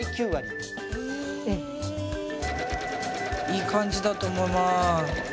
いい感じだと思います。